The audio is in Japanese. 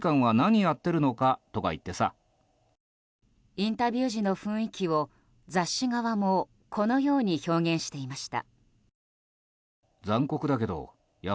インタビュー時の雰囲気を雑誌側もこのように表現していました。